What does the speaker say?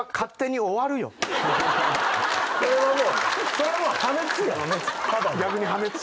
それはもう破滅やただの。